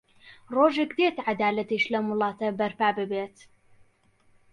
ڕۆژێک دێت عەدالەتیش لەم وڵاتە بەرپا ببێت.